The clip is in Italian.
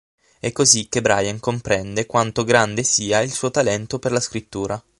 È così che Brian comprende quanto grande sia il suo talento per la scrittura.